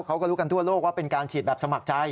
เขาก็รู้กันทั่วโลกว่าเป็นการฉีดแบบสมัครใจ